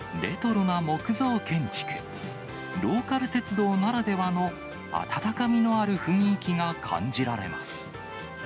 ローカル鉄道ならではの温かみのある雰囲気が感じられます。